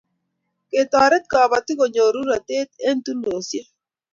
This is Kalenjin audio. Ketoret kapatik kunyor toretet eng' tulweshek